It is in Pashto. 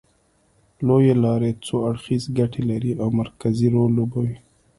لوېې لارې څو اړخیزې ګټې لري او مرکزي رول لوبوي